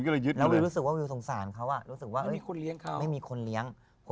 แล้ววิวรู้สึกว่าวิวสงสารเค้าอะไม่มีคนเลี้ยงเค้า